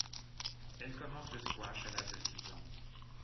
Elle commence le squash à l'âge de six ans.